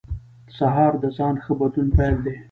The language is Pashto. سهار د ځان ښه بدلون پیل دی.